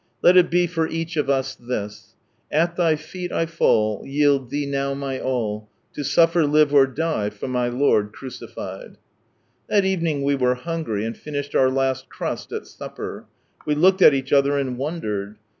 Let it be for each of us "At Thy feet I fall. Yield Thee now my all, To suffer, live, or die For aiy Lord crncified." That evening we were hungry, and finished our last crust at supper. We looked at each other, and wondered.